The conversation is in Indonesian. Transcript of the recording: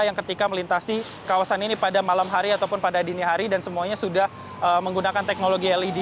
yang ketika melintasi kawasan ini pada malam hari ataupun pada dini hari dan semuanya sudah menggunakan teknologi led